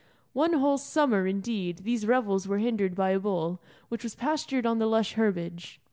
One whole summer, indeed, these revels were hindered by a bull which was pastured on the lush herbage.